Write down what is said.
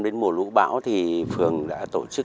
đến mùa lũ bão thì phường đã tổ chức